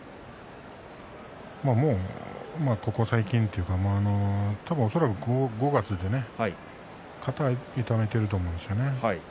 もう、ここ最近というか恐らく５月で肩を痛めていると思うんですよね。